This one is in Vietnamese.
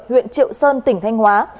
huyện triệu sơn tỉnh thanh hóa